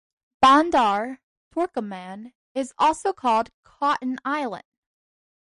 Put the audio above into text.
Bandar Torkaman is also called "Cotton Island".